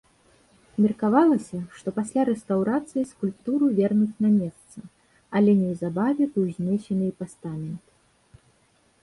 Меркавалася, што пасля рэстаўрацыі скульптуру вернуць на месца, але неўзабаве быў знесены і пастамент.